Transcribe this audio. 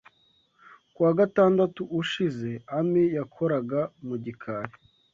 Kuwa gatandatu ushize, Amy yakoraga mu gikari.